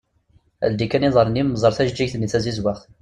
Ldi kan iḍarren-im ẓer tajeğğigt-nni tazizwaɣt.